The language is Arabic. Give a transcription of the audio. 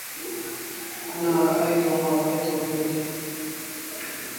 إني رأيت وما رأيت وجودي